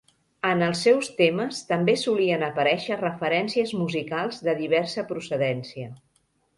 En els seus temes també solien aparèixer referències musicals de diversa procedència.